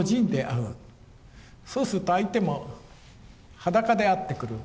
そうすると相手も裸で会ってくる。